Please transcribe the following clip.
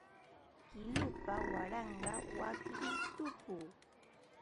Kilupa waranqa wakin tupu